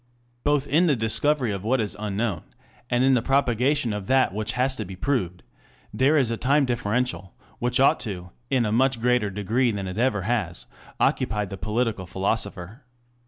Both in the discovery of what is unknown, and in the propagation of that which has been proved, there is a time differential, which ought to, in a much greater degree than it ever has, occupy the political philosopher.